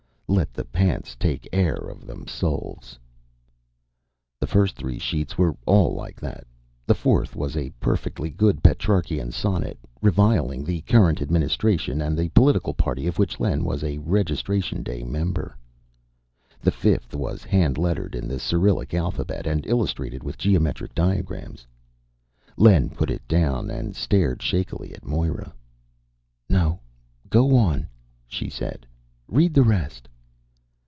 Let the pants take air of themsulves. The first three sheets were all like that. The fourth was a perfectly good Petrarchian sonnet reviling the current administration and the political party of which Len was a registration day member. The fifth was hand lettered in the Cyrillic alphabet and illustrated with geometric diagrams. Len put it down and stared shakily at Moira. "No, go on," she said, "read the rest."